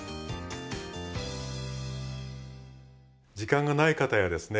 時間がない方やですね